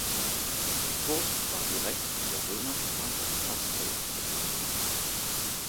Die Furt war direkt mit der Römerstraße Fosse Way verbunden.